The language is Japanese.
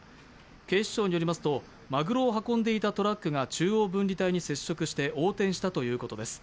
警視庁によりますと、まぐろを運んでいたトラックが中央分離帯に接触して横転したということです。